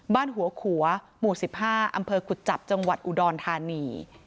บ้านหัวขัวหมู่๑๕อำเภอกุจจับจังหวัดอุดรธานี